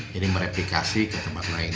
jadi mereplikasi ke tempat lain